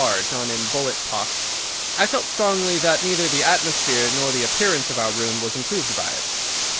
R. done in bullet pocks, I felt strongly that neither the atmosphere nor the appearance of our room was improved by it.